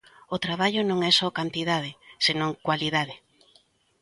O traballo non é só cantidade, senón cualidade.